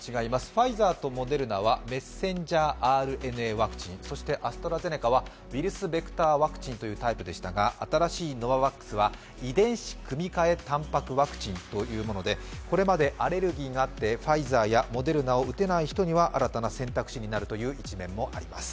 ファイザーとモデルナはメッセンジャーＲＮＡワクチンそしてアストラゼネカはウイルスベクターワクチンということですが新しいノババックスは遺伝子組み換えたんぱくワクチンというものでこれまでアレルギーがあってファイザーやモデルナを打てない人には新たな選択肢になるという一面もあります。